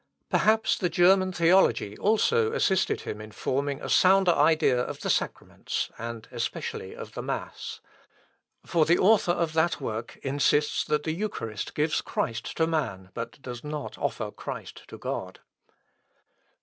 Perhaps the German Theology also assisted him in forming a sounder idea of the sacraments, and especially of the mass. For the author of that work insists that the Eucharist gives Christ to man, but does not offer Christ to God.